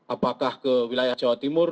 apakah ke wilayah jawa timur